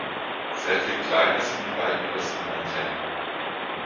Sehr viel kleiner sind die beiden ersten Antennen.